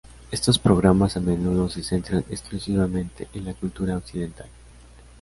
Estos programas a menudo se centran exclusivamente en la cultura occidental.